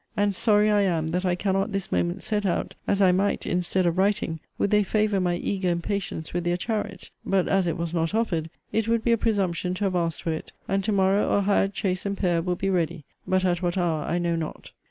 And sorry I am that I cannot this moment set out, as I might, instead of writing, would they favour my eager impatience with their chariot; but as it was not offered, it would be a presumption to have asked for it: and to morrow a hired chaise and pair will be ready; but at what hour I know not.